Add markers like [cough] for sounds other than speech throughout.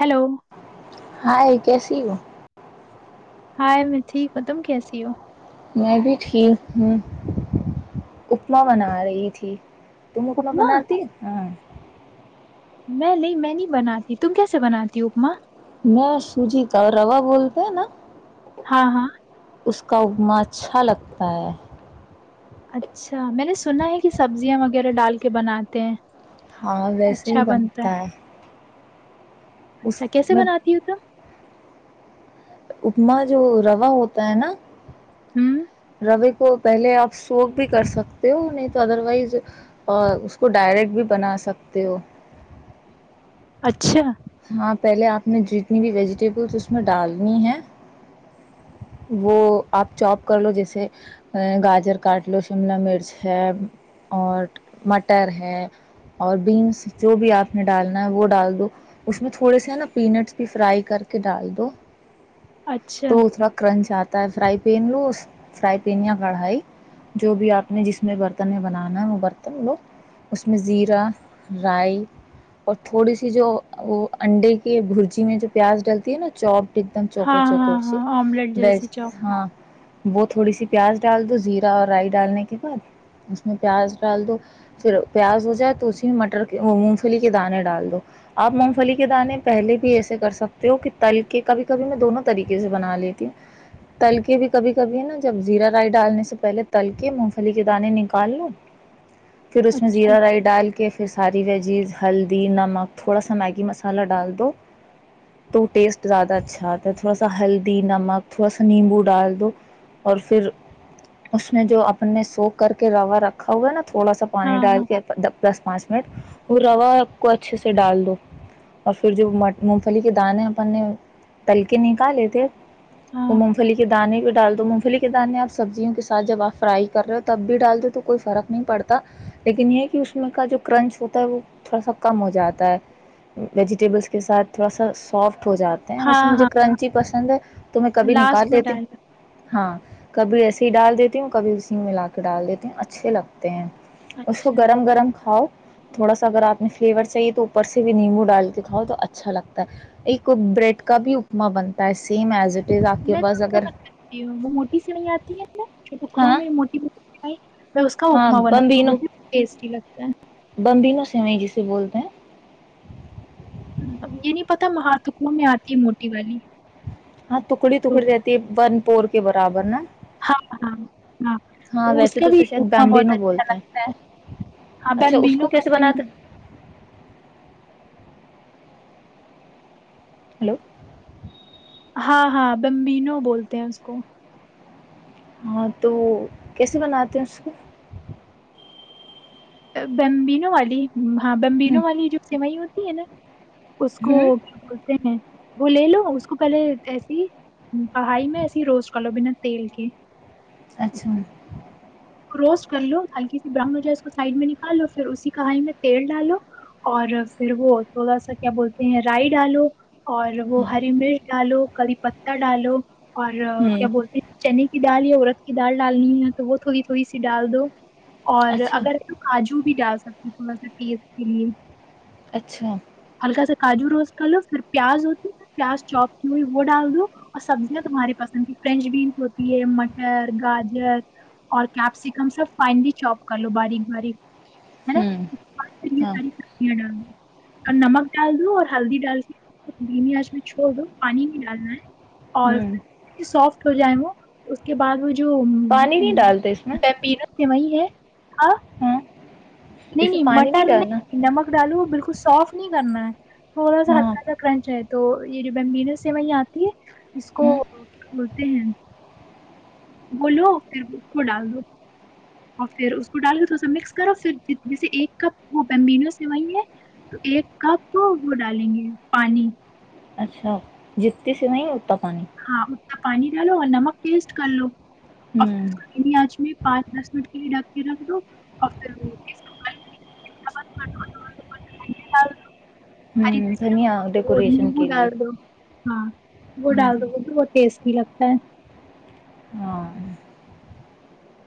Hello [unintelligible] hi کیسی ہو [unintelligible] ہائے میں ٹھیک ہ تم کیسی ہو میں بھی ٹھیک ہوں [unintelligible] اپما بنا رہی تھی تم اپما بناتی ہاں [unintelligible] میں نہیں میں نہیں بناتی تم کیسے بناتی اما میں سوجی کا روا بولتے ہیں نا [unintelligible] ہاں ہاں [unintelligible] اس کا اگم اچھا لگتا ہے [unintelligible] اچھا میں نے سنا ہے کہ سبزیاں وغیرہ ڈال کے بناتے ہیں ہاں ویسے ہی بنتا ہے اس اچھا کیسے میں بناتی ہو ت [unintelligible] اپما جو روا ہوتا ہے نا ہوں [unintelligible] کو پہلے آپ سوک بھی کر سکتے ہو نہیں تو ادر وائز اس کو ڈائریکٹ بھی بنا سکتے ہو [unintelligible] اچھا [unintelligible] ہاں پہلے آپ نے جتنی بھی ویجیٹیبلس اس میں ڈالنی ہے وہ آپ چاپ کر لو جیسے گاجر کاٹ لو شملہ مرچ ہے اور مٹر ہے اور بینس جو بھی آپ نے ڈالنا ہے وہ ڈال لو اس میں تھوڑے سے نا پینٹس بھی فرائی کر کے ڈال دو [unintelligible] تو ا تھڑا کررنچ آتا [unintelligible] ہے فرائی پین لو اس فرائی پین یا کڑھائی جو بھی آپ نے جس میں برتن میں بنانا ہے وہ برتن لو اس میں زیرہ رائی اور تھوڑی سی جو وہ انڈے کے برجی میں جو پیاز ڈلتی ہے نا چوپ ایک دم چوکور چوکور چ بیس ہاں وہ تھوڑی سی پیاز ڈال دو زیرا اور رائی ڈالنے کے بعد اس میں پیاز ڈال دو پھر پیاز ہو جائے تو اسی میں مٹر کے مونگ پھلی کے دانے ڈال دو آپ مونگ پھلی کے دانے پہلے بھی ایسے کر سکتے ہو کہ تل کے کبھی کبھی میں دونوں طریقے سے بنا لیتی ہوں تل کے بھی کبھی کبھی ہے نا جب زیرا رائی ڈالنے سے پہلے تل کے مونگفلی کے دانے نکال لو پھر اس میں زیرہ رائی ڈال کے پھر ساری ویجیز ہلدی نمک تھوڑا سا میگی مسالہ ڈال دو تو ٹیسٹ زیادہ اچھا آتا ہے تھوڑا سا ہلدی نمک تھوڑا سا نیمبو ڈال دو اور پھر اس میں جو اپن سو کر کے روا رکھ ا ہوا نا تھوڑا سا پانی ڈال کے دس پانچ وہ روا آپ کو اچھے سے سے ڈال دو اور پھر جو مونگ پھلی کے دانے اپننے تل کے نکالے تھے وہ مونگ پھلی کے دانے پہ ڈال دو مونگ پھلی کے دانے آپ سبزیوں کے ساتھ جب آپ فرائی کر رہے ہو تب بھی ڈال دو تو کوئی فرق نہیں پڑتا لیکن یہ کہ اس میں کا جو کرنچ ہوتا ہے وہ تھوڑا سا کم ہو جاتا ویجیٹیبلس کے ساتھ تھوڑا سا سافٹ ہو جاتے ہیں ویسے مجھے کرنچی پسند ہے تو میں کبھی نکال لیتی ہاں کبھی ایسے ہی ڈال دیتی ہوں کبھی اسی ملا کے ڈال دیتی ہوں اچھے لگتے ہیں اس کو گرم گرم کھاؤ تھوڑا سا اگر آپ نے فلیور چاہیے تو اوپر سے بھی نیمبو ڈال کے کاؤ تو اچھا لگتا ہے ایک بریڈ کا بھی اپما بنتا ہے سیم ایز ا میں کرتی ہوں وہ موٹی سی نہیں آتی ہے میں ٹکڑا ہوں ہاں میری موٹی کو میں اس کا ہاں اپما بنی بمبینو وہ بھی ٹیسٹی لگتا ہے سم جی سے بولتے ہیں یہ نہیں پتا مہارتکڑوں میں آتی موٹی والی ہاں ٹکڑی تو ٹکڑی رہاتتی ہے بن پور کے برابر نا ہاں ہاں ہاں ہاں اس ویسے تو کا اسے شاید بھیا بہت بمبینو اچھا بولتے ہیں لگتا ہے ہاں اچھا اس کو بمبینو کیسے کمپنی بناتے ہیں؟ ہلو ہاں ہاں بمبینو بولتے ہیں اس کو ہاں تو کیسے بناتے ہیں اس کو بمبی ن والی ہاں ہ بمبینوں والی جو سیوئیں ہوتی ہے نا اس کو ہ کیا بولتے ہیں وہ لے لو اس کو پہلے ایسی پڑھائی میں ایسیے روسٹ کر لو بنا تیل کے اچھا کروس کر لو ہلکی براؤن ہو جائے اس کو سائڈ میں نکالو پھر اسی کھائی میں تیل ڈالو اور پھر وہ تھوڑا سا کیا بولتے ہیں رائی ڈالو اور وہ ہوں ہری مرچ ڈالو کی پتتا ڈالو اور ہوں کیا بولتے ہیں چنیک دال یا عرت کی دال ڈالنی ہے تو وہ تھوڑی سوئی سی ڈال دو اور اچھا اگر کاجو جو بھی ڈال سکتی تھوڑا سا ٹیسٹ کے لیے اچھا ہلکا سا کاجو روس کر لو پھر پیاز ہوتی ہے پیاز چوپ کی ہوئی وہ ڈال دو اور سبزیاں تمہاریے پسند کی فرینچ بینس ہوتی ہے مٹر گاجر اور کیپسیکم سب فائنلی چوپ کر لو باریک باریک نا ہوں ہاں ساری سبزیاں ڈال دو اور نمک ڈال دو اور ہلدی ڈالتی بھیمی آج میں چھوڑ دووں پانی بھی ڈالنا ہے اور ہوں سافٹ ہو جائے وہ اس کے بعد وہ جو پانی نہیں ڈالتے اس میں ب پیرا وہی ہے ہاں نہیں اس میں نہیں پانی مٹر ڈالنا نہیں نمک ڈالو بالکل سافٹ نہیں کرنا تھوڑا سا ہاں ہھاادا کررنچ ہے تو تو یہ جو بمبینوں سے وہیں آتی ہے اس کو ہوں تین بولو پھر اس کو ڈال دو اور پھر اس کو ڈال کے تھوڑا سا مکس کرو پھر ج جیس سے ایک کپ وہ بینو سوئی ہے تو ایک کپ وہ ڈالیں گے پانی اچھا جتتی سے نہیں اتتا پانی ہاں اتنا پانی ڈالو اور نمک ٹیسٹ کر لو ا ہوں آج میں پانچ دس منٹ پہ ہی ڈک کے رکھ دو اور پھر ہری د ہوں دھنیا ڈیکوریشن نمبو کے ڈال لیے دو ہاں وہ ہوں ڈال دو وہ بہت ٹیسٹ لگتا ہھ ہاں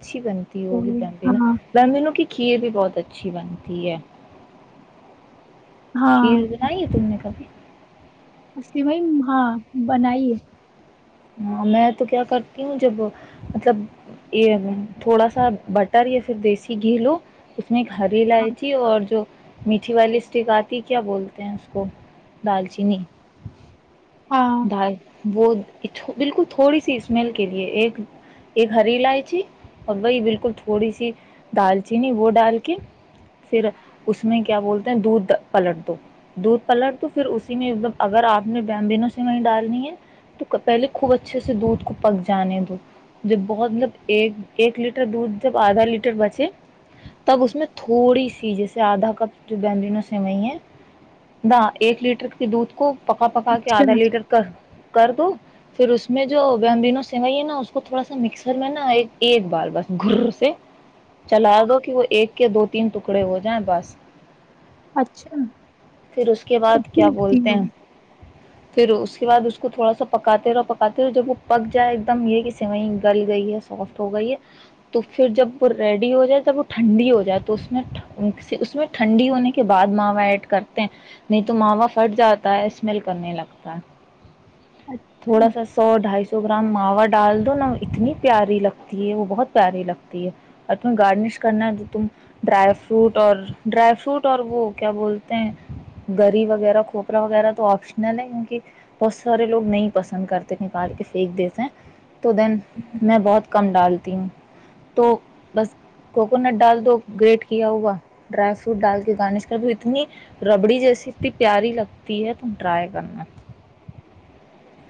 اچھی بنتی تو ہوگی ببین ہاں ببیو کی کھیر بھی بہت اچھی بنتی ہے ہاں کھیر بنائی ہے تم نے ابھی اسلی بھائی ہاں بنائیے ہاں میں تو کیا کرتی ہوں جب مطلب یہ تھوڑا سا بٹر یا پھر دیسی گھی لو اس میں ک ہری ہاں لائی تھی اور جو [unintelligible] میٹھی والی اسٹک آتی کیا بولتے ہیں اس کو دال چینی ہاں ڈائے وہ بالکل تھوڑی سی اسمیل کے لیے ایک ایک ہری الائچی اور بھائی بالکل تھوڑی سی دال چینی وہ ڈال کے پھر اس میں کیا بولتے ہیں دودھ پلٹ دو دودھ پلٹ دو پھر اسی میں م اگر آپ نے بیم بینوں [unintelligible] سوئی ڈالنی ہے تو پہلے خوب اچھے سے دودھ کو پک جانے دو جب بہت مطلب ایک ایک لیٹر دودھ جب آدھا لیٹر بچے تب اس میں تھوڑی سی جیسے آدھا کپ جو بنو سیوئی ہے نہا ایک لیٹر کے دودھ کو [unintelligible] پکا پکا کے اچھا آدلی [unintelligible] کر دو پھر اس میں جو بم دینوں سوئی ہے نا اس کو تھوڑا سا مکسر میں نا ایک ایک بال بس گر سے چلا دو کہ وہ ایک کے دو تین ٹکڑے ہو جائیں بس اچھا پھر اس کے بعد اچھی کیا لگتی بولتے ہیں ہوگی [unintelligible] پھر اس کے بعد اس کو تھوڑا سا پکاتے رہو پکاتے رہو جب وہ پک جائے ایک دم یہ کہ سوئیں گل گئی ہے سافٹ ہو گئی ہے تو پھر جب وہ ریڈی ہو جائے جب وہ ٹھنڈی ہو جائے تو اس میں اس میں ٹھنڈی ہونے کے بعد ماوا ایڈ کرتے ہیں نہیں تو ماوا پھٹ جاتا ہے اسمیل کرنے لگا [unintelligible] [inaudible] اچھا تھوڑا سا سو ڈھائی سو [unintelligible] گرام ماوا ڈال دو نا اتنی پیاری لگتی ہے وہ بہت پیاری لگتی ہے اور تمہیں گارڈنش کرنا ہے جو تم ڈرائی فروٹ اور ڈرائی فروٹ اور وہ کیا بولتے ہیں گری وغیرہ کھوپرا وغیرہ تو آپشنل ہے کیکہ [unintelligible] کہ بہت سارے لوگ نہیں پسند کرتے نکال کے پھینک دیتے تو دین ہوں، میں بہت کم ڈالتی ہوں تو بس کوکونٹ ڈال تو گریٹ کیا ہوا ڈرائی فروٹ ڈال کے گارنش کر بھی اتنی ربڑی جیسی اتنی پیاری لگتی ہے تم ڈرائی ج [unintelligible]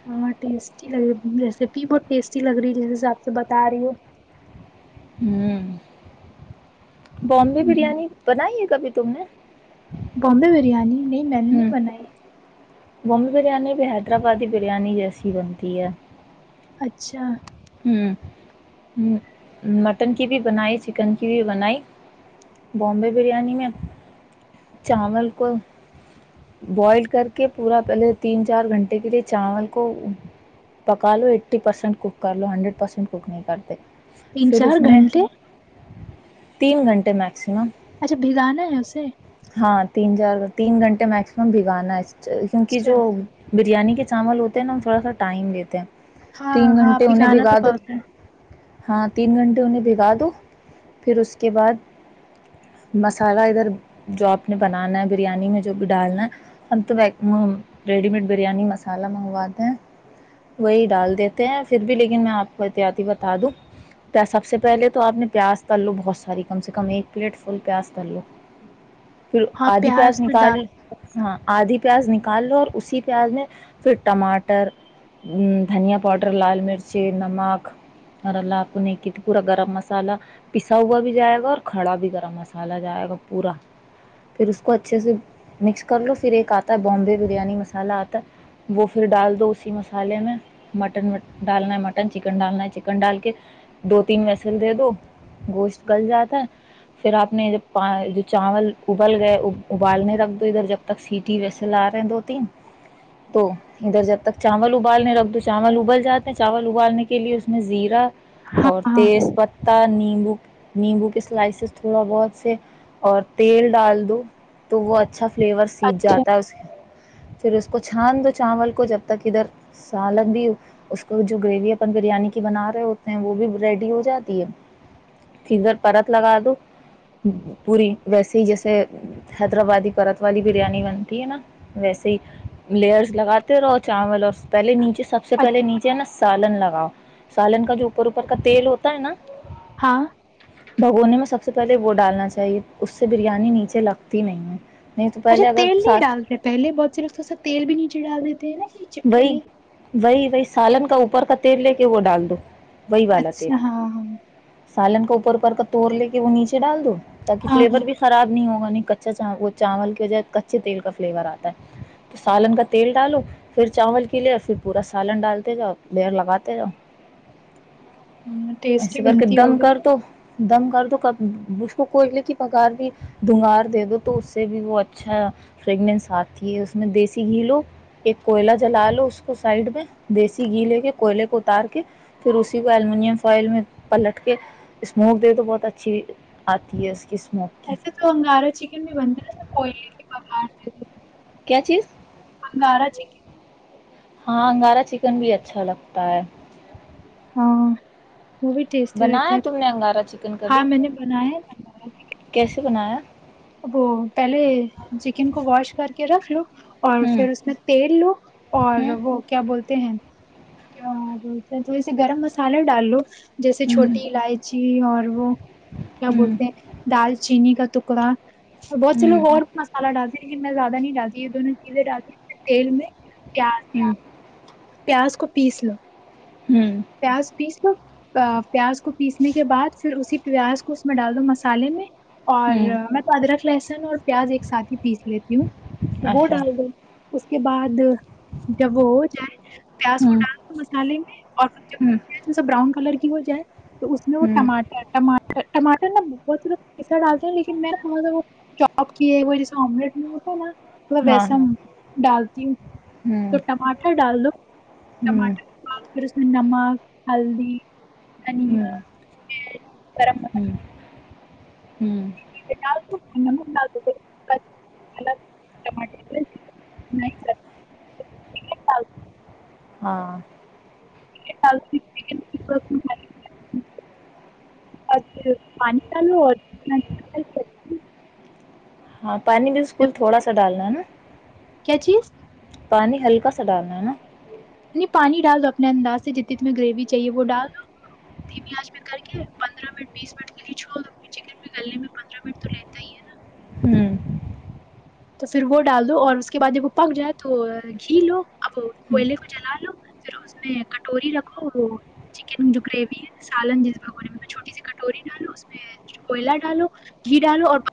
ہاں ٹیسٹی لگ رہی ریسیپی بہت ٹیسٹی لگ رہی جیسےس آاب سے بتا رہی ہو [unintelligible] ہوں [unintelligible] بمبے ہوں، برییاانی بنائیے کبھی تم نے [unintelligible] بمبے بریانی [unintelligible] نہیں میں نے نہیں بنائی [unintelligible] بمی بریانی بھی حیدرآبادی بریانی جیسی بنتی ہے اچھا [unintelligible] ہ ہ مٹن کی بھی بنائی چکن کی بھی بنائی بومبے بریانی میں چاول کو بوائل کر کے پورا پہلے تین چار گھنٹے کے لیے چاول کو پکا لو ایٹی پرسینٹ کو [unintelligible] کر لو ہنریڈ پرسینٹ کوک نہیں کرو [unintelligible] تین چار گھنٹے [unintelligible] تین گھنٹے میں اچھا بھگانا ہے اسے [unintelligible] ہاں تین چار [unintelligible] تین گھنٹ میکسم بھگانا اس [unintelligible] کیونکہ جو اچھا بریانی کے چاول ہوتے نا ہم تھوڑا سا ٹائم لیتے ہیں [unintelligible] ہاں تین ہاں [unintelligible] گھنٹے انہیں پکانا تو بھگا دو بہت ہے [unintelligible] ہاں تین گھنٹے انہیں بھگا دو پھر اس کے بعد مسالہ ادھر جو آپ نے بنانا ہے بریانی میں جو بھی ڈالنا ہے ہم تو ریڈی میڈ بریانی مسالہ منگواتے ہیں وہی ڈال دیتے ہیں پھر بھی لیکن میں آپ کو احتیاطی بتا دوں سب سے پہلے تو آپ نے پیاز تل لو بہت ساری کم سے کم ایک پلیٹ فل پیاز تل لو [unintelligible] پھر ہاں آدھی پیاز تو نکال ڈال ہاں آدھی پیاز نکال کال لو اور اسی پیاز میں پھر ٹماٹر دھنیا پاؤڈر لا لو مرچی نمک اور پنےی پورا گرم مسالہ پسا ہوا بھی جائے گا اور کھڑا بھی گرم مسالہ جائے گا پورا پھر اس کو اچھے سے مکس کر لو پھر ایک آتا ہے بامبے بریانی مسالہ آتا ہے وہ پھر ڈال دو اسی مسالے میں مٹن ڈالنا ہے مٹن چکن ڈالنا ہے چکن ڈال کے دو تین ویسل دے دو گوشت گل جاتا ہے پھر آپ نے جب چاول ابل گئے ابالنے رکھ دو ادھر جب تک سیٹی ویسل آ رہے ہیں دو تین تو ادھر جب تک چاول ابالنے رکھ دو چاول ابل جاتا چاول ابالنے کے لیے زیرا ہاں اور ہاں تیز پتتا نیمبو نیمبو کے سلائسز تھوڑا بہت سے اور تیل ڈال دو تو وہ اچھا س فلیور سیھ اچھا جاتا ہے اس پھر اس کو چھان دو چاول کو جب تک ادھر سالگ بھی اس تو جو گریوی بریانی کی بنا رہے ہوتے ہیں وہ بھی ریڈی ہو جاتی ہے فزر پرت لگا دو پوری ویسے ہی جیسے حیدرآبادی پرت والی بریانی بنتی ہے نا ویسے ہی لیئرس لگاتےو چاول اور پہلے نیچے سب سے اچ پہلے نیچے نا سالن لگاؤ سالن کا جو اوپر اوپر کا تیل ہوتا ہے نا ہاں بھگونے میں سب سب سے پہلے وہ ڈالنا چاہیے اس سے بریانی نیچے لگتی نہیں ہے نہیں تو اچھا پہلے اگر تیل سا نہیں ڈالتے پہلے بہت سے لوگ تو سے تیل بھی نیچے ڈال دیتے ہیں نا نیچے وہی وہی ب سالن کا اوپر کا تیل لے کے وہ ڈال دو وہی والال تھ اچھا ہاں ہاں سال اوپر اوپ کا توڑ ل کے وہ نیچے ڈال دو تاکہ ہاں ہاں فلیور بھی خراب نہیں ہوگا کا وہ چاول کی وجائے کچے تیل کا فلیور آتا ہے تو سالن کا تیل ڈالو پھر چاول کے لیے پھر پورا سالن ڈالتے جاؤ بیڑ لگاتے جاؤ ہاں ٹیسٹی ایسے کر کے بنتی دم ہوگی کر تو دم کر دو کب اس کو کوئلے کی پگار بھی دھونگھار دے دو تو اس سے بھی وہ اچھا فریگنس آتی ہے اس میں دیسی گھی لو ایک کوئلہ جلا لو اس کو سائڈ میں دیسی گھی لے کے کوئلے کو اتار کے پھر اسی کو الومینم فائل میں پلٹ کے اسموو دے دو بہت اچھی آتی ہے اس کی اسموک کی ایسے تو انگارہ چکن بھی بنتا ہےا کوئل کے پار ج کیا چیز گاراج ہاں انگارا چکن بھی اچھا لگتا ہے ہاں وہ بھی ٹیسٹی رہتا بنایا ہے تم نے انگارا چکن ہاں کبھی میں نے بنایا ہے اس بنایا وہ پہلے چکن کو واش کر رکھ لو اور ہوں پھر اس میں تیل لو اور ہوں وہ کیا بولتے ہیں کیا تھوڑے س گرم مسالہ ڈال لو جیسے ہوں چھوٹی الائچی اور وہ کیا ہوں بولتے ہیں دال چینی کا تو [unintelligible] بتلو ہوں اور مسالا ڈال ل کتنا زیادہ نہیں ڈالی یہ دونوں چیزیں ڈالی ہیں تیل میں پیاز ہاں پیاز کو پیس لو ہوں پیاز پیس پیاز کو پیسنے کے بعد پھر اسی پیاز کو اس میں ڈال دو مسالے میں اور ہوں میں تادر ک لس ن اور پیاز ایک ساتھی پیس لیتی ہوں وہ اچھا ڈال دو اس کے بعد جب وہ ہو جائے پیاز کو ہوں ڈال دو مسالے میں اور ہوں بران کالر کی ہو جائے تو اس میں وہ ہوں ٹماٹرٹماٹ ٹماٹر نا بہت لوگ پیسہ ڈالتے ہیں لیکن میں تھوڑا سا وہ چاپ کیے وہ جیسے آملیٹ میں ہوتا ہے نا مطلب ہاں ویسا ہاں ڈال [unintelligible] تو ہوں ٹماٹر ڈال دو ہوں ٹماٹر کے نمک ہلدی دھنیا ہوں حلد ی گرم ہوں مصالا ہوں [unintelligible] ہاں [unintelligible] [unintelligible] اچ پانی چالو اور ہاں پانی جب- بالکل تھوڑا سا ڈالنا ہے نا کیا چیز پانی ہلکا سا ڈالنا ہے نا نہیں پانی ڈال دو اپنے انداز سے جتنی تتیں گریوی چاہیے وہ ڈال دو دھیمیاج میں کر کے پندرہ منٹ بیس منٹ کے لیے چھو دو چکن بھی گلنے میں پندرہ منٹ تو لتا ہی ہے نا ہوں تو پھر وہ ڈال دو اور اس کے بعد جب وہ پک جائے تو گھی لو اب ہوں کوئلے کو جلا لو پھر اس میں کٹوری رکھو وہ چکن جو گریوی ہے سالن جس بھگونے میں چھوٹی سی کٹوری ڈالو اس میں کوئلہ ڈالو گھی ڈالو اور